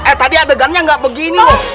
eh tadi adegannya ga begini loh